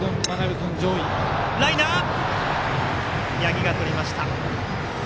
八木が取りました。